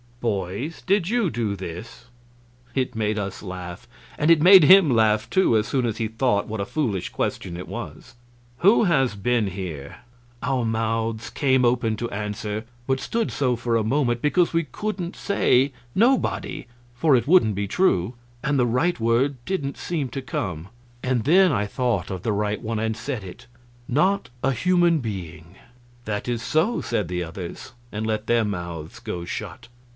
"Boys, did you do this?" It made us laugh. And it made him laugh, too, as soon as he thought what a foolish question it was. "Who has been here?" Our mouths came open to answer, but stood so for a moment, because we couldn't say "Nobody," for it wouldn't be true, and the right word didn't seem to come; then I thought of the right one, and said it: "Not a human being." "That is so," said the others, and let their mouths go shut.